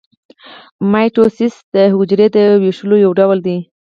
مایټوسیس د حجرې د ویشلو یو ډول دی